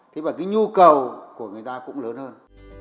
thế và cái nhu cầu của người ta cũng lớn hơn